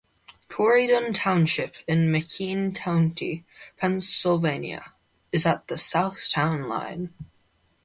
Corydon Township in McKean County, Pennsylvania, is at the south town line.